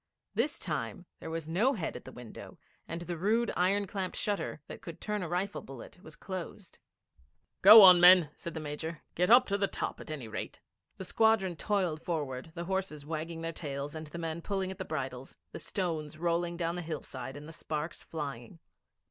This time there was no head at the window, and the rude iron clamped shutter that could turn a rifle bullet was closed. 'Go on, men,' said the Major. 'Get up to the top at any rate.' The squadron toiled forward, the horses wagging their tails and the men pulling at the bridles, the stones rolling down the hillside and the sparks flying.